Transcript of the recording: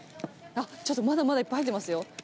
ちょっとまだまだいっぱい入ってますよ。